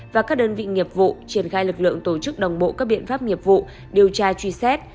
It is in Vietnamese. và các đơn vị nghiệp vụ triển khai lực lượng tổ chức đồng bộ các biện pháp nghiệp vụ điều tra truy xét